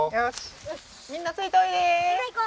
よしみんなついておいで。